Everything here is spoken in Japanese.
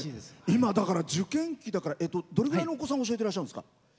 今、受験期だからどれくらいのお子さん教えていらっしゃるんですか？